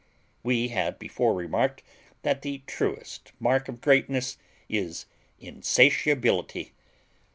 We have before remarked that the truest mark of greatness is insatiability.